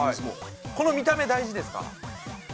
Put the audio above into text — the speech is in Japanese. ◆この見た目、大事ですか。